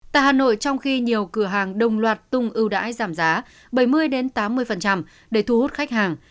tại hà nội trong khi nhiều cửa hàng đồng loạt tung ưu đãi giảm giá bảy mươi tám mươi để thu hút khách hàng